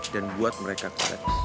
dan buat mereka karek